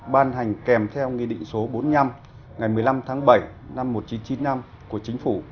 ban hành kèm theo nghị định số bốn mươi năm ngày một mươi năm tháng bảy năm một nghìn chín trăm chín mươi năm của chính phủ